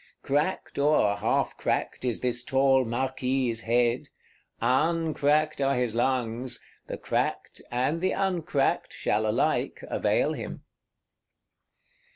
Cracked or half cracked is this tall Marquis's head; uncracked are his lungs; the cracked and the uncracked shall alike avail him.